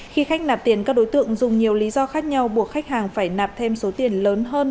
khi khách nạp tiền các đối tượng dùng nhiều lý do khác nhau buộc khách hàng phải nạp thêm số tiền lớn hơn